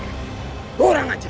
tidak ada yang bisa mengajak